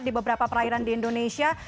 di beberapa perairan di indonesia